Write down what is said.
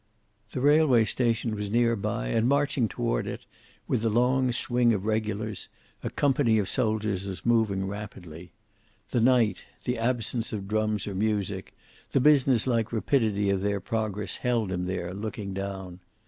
The railway station was near by, and marching toward it, with the long swing of regulars, a company of soldiers was moving rapidly. The night, the absence of drums or music, the businesslike rapidity of their progress, held him there, looking down.